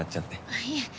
あっいえ。